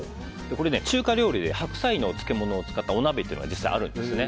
中華料理で白菜の漬物を使ったお鍋というのが実際にあるんですね。